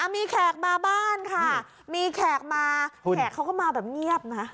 มีแขกมาบ้านค่ะมีแขกมาแขกเขาก็มาแบบเงียบนะ